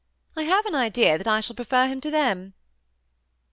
I have an idea that I shall prefer him to them."